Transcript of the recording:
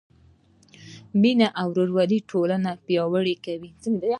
مینه او ورورولي ټولنه پیاوړې کوي.